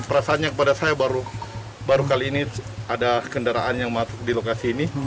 perasaannya kepada saya baru kali ini ada kendaraan yang masuk di lokasi ini